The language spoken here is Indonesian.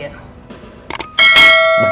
bantuan apa ibu